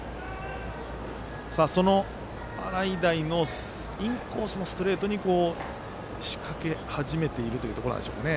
その洗平のインコースのストレートに仕掛け始めているというところなんでしょうかね。